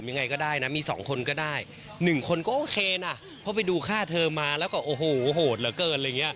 ยังไงก็ได้นะมีสองคนก็ได้หนึ่งคนก็โอเคนะเพราะไปดูฆ่าเธอมาแล้วก็โอ้โหโหดเหลือเกินอะไรอย่างเงี้